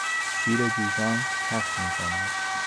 شیر جوشان کف میکند.